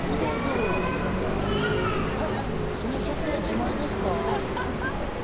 義堂君、そのシャツは自前ですか？